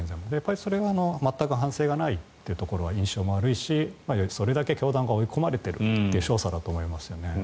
それは反省してないということで印象が悪いし、それだけ教団が追い込まれているという証左だと思いますよね。